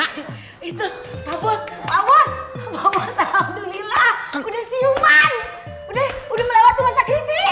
itu pak bos pak bos pak bos alhamdulillah udah siuman udah melewati masa kritis